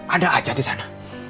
ada aajat di sana